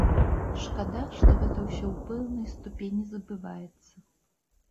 Шкада, што гэта ўсё ў пэўнай ступені забываецца.